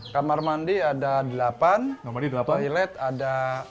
kamar mandi ada delapan toilet ada